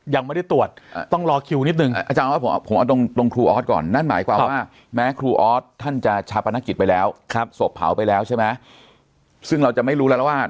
ยังไม่ได้ตรวจต้องรอคิวนิดหนึ่งอาจารย์ว่าผม